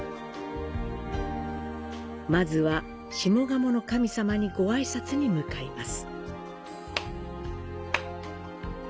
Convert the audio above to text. まずは下鴨の神様にご挨拶に向かいます。